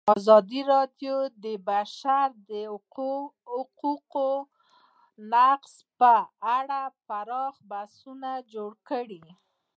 ازادي راډیو د د بشري حقونو نقض په اړه پراخ بحثونه جوړ کړي.